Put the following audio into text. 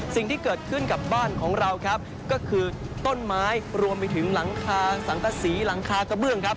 สิ่งที่เกิดขึ้นกับบ้านของเราครับก็คือต้นไม้รวมไปถึงหลังคาสังกษีหลังคากระเบื้องครับ